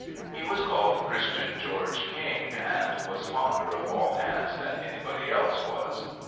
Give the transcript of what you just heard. He was called Christian George King, and was fonder of all hands than anybody else was.